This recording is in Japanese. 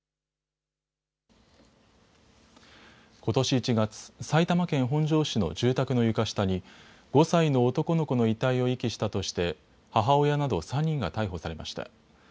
ことし１月、埼玉県本庄市の住宅の床下に５歳の男の子の遺体を遺棄したとして母親など３人が逮捕されました。